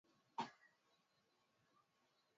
Maelfu ya wageni wanazuru Mji Mkongwe Zanzibar